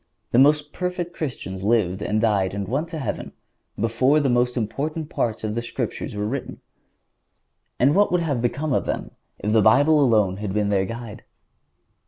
The most perfect Christians lived and died and went to heaven before the most important parts of the Scriptures were written. And what would have become of them if the Bible alone had been their guide?